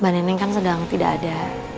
mbak neneng kan sedang tidak ada